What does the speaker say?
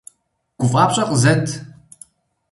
ГуфӀапщӀэ къызэт!